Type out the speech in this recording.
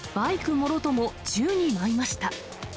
もろとも宙に舞いました。